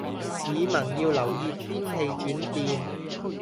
市民要留意天氣轉變